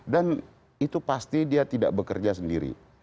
dan itu pasti dia tidak bekerja sendiri